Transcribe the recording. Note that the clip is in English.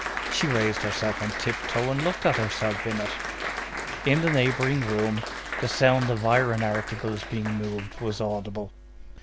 She raised herself on tiptoe and looked at herself in it. In the neighboring room, the sound of iron articles being moved was audible.